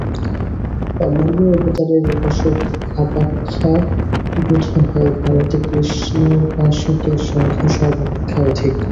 অন্যান্য অবতারের উপাসক অপাক্ষা বোধ হয় ভারতে কৃষ্ণোপাসকের সংখ্যাই সর্বাপেক্ষা অধিক।